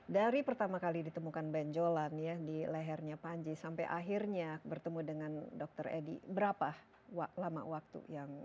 dari pertama kali ditemukan benjolan ya di lehernya panji sampai akhirnya bertemu dengan dokter edi berapa lama waktu yang